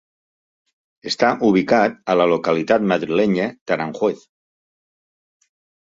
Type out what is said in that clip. Està ubicat a la localitat madrilenya d'Aranjuez.